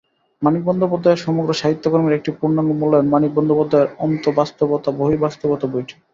মানিক বন্দ্যোপাধ্যায়ের সমগ্র সাহিত্যকর্মের একটি পূর্ণাঙ্গ মূল্যায়ন মানিক বন্দ্যোপাধ্যায় অন্তর্বাস্তবতা বহির্বাস্তবতা বইটি।